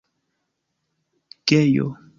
gejo